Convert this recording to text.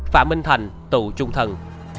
phạm minh thành tù trung thần